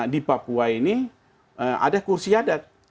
di papua ini ada kursi adat